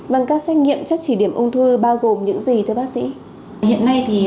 vâng các xét nghiệm chất chỉ điểm ung thư bao gồm những gì thưa bác sĩ